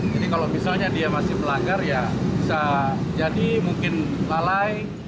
jadi kalau misalnya dia masih melanggar ya bisa jadi mungkin lalai